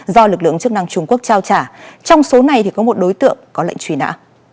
do lực lượng chức năng trung quốc trao trả trong số này thì có một đối tượng có lệnh truy nã